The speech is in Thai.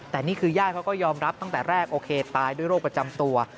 แต่นี่คือญาติเขาก็ยอมรับตั้งแต่แรกโอเคตายด้วยโรคประจำตัว